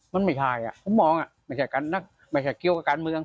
มันไม่ใช่ผมมองไม่ใช่เกี่ยวกับการเมือง